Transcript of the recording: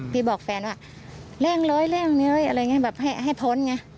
พี่บอกแฟนว่าเร่งเลยเร่งเลยอะไรอย่างนี้แบบให้พ้นไง